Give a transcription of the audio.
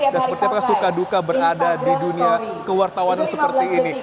dan seperti apakah suka duka berada di dunia kewartawan seperti ini